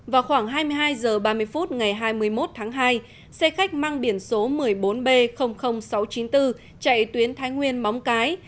vào khoảng hai mươi hai h ba mươi phút ngày hai mươi một tháng hai xe khách mang biển số một mươi bốn b sáu trăm chín mươi bốn chạy tuyến thái nguyên móng cái